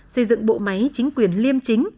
xây dựng bộ máy chính quyền liêm chính